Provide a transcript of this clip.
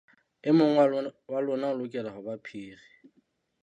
E mong wa lona o lokela ho ba Phiri.